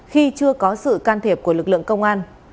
khi chưa có sự can thiệp của lực lượng công an